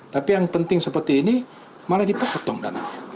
tapi yang penting seperti ini malah dipotong dananya